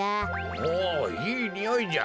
おおいいにおいじゃ。